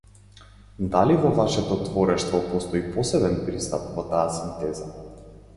Дали во вашето творештво постои посебен пристап во таа синтеза?